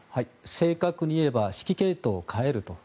正確に言えば指揮系統を変えると。